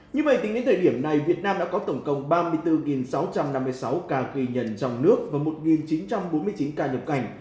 như vậy tính đến thời điểm này việt nam đã có tổng cộng ba mươi bốn sáu trăm năm mươi sáu ca ghi nhận trong nước và một chín trăm bốn mươi chín ca nhập cảnh